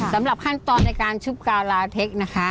สำหรับขั้นตอนในการชุบกาวลาเทคนะคะ